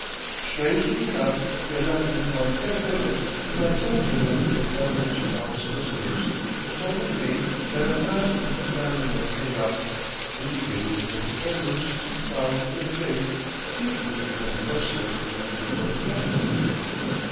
"Strangely enough, he had not been gone ten minutes when my son came in from a conference with our solicitors, informing me that at last a memorandum had turned up, indicating that the heirlooms would be found in a safe secreted behind a dresser in Colonel Burgoyne's bedroom."